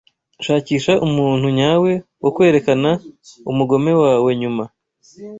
Shakisha umuntu nyawe wo kwerekana umugome wawe nyuma